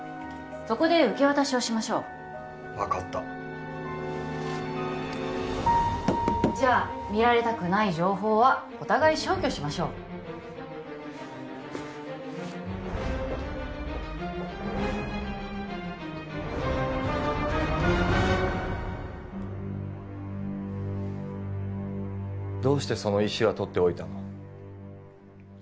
そこで受け渡しをしましょう分かったじゃあ見られたくない情報はお互い消去しましょうどうしてその石はとっておいたの？